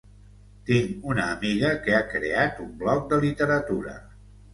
Tinc una amiga que ha creat un blog de literatura.